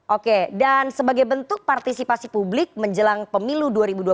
oke dan sebagai bentuk partisipasi publik menjelang pemilu dua ribu dua puluh